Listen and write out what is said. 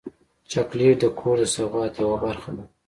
چاکلېټ د کور د سوغات یوه برخه ده.